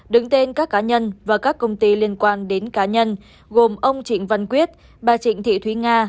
đứng tên các cá nhân và các công ty liên quan đến cá nhân gồm ông trịnh văn quyết bà trịnh thị thúy nga